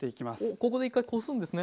ここで一回こすんですね。